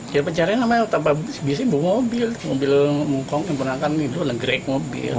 ya pencarian sama biasanya buka mobil mobil mungkong yang pernah kan itu nge grab mobil